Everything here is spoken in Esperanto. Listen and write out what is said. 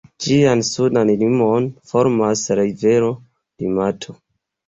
Ĝian sudan limon formas la rivero Limato.